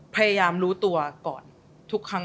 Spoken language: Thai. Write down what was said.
พยายามรู้ตัวก่อนทุกครั้ง